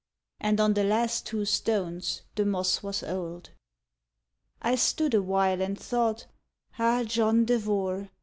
And on the last two stones the moss was old. I stood awhile and thought: "Ah! John Devore!